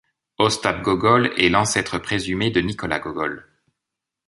Ostap Gogol est l'ancêtre présumé de Nicolas Gogol.